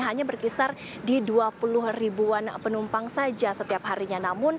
hanya berkisar di dua puluh ribuan penumpang saja setiap harinya